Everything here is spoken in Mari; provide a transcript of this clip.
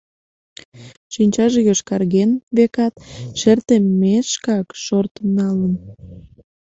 Шинчаже йошкарген, векат, шер теммешкак шортын налын.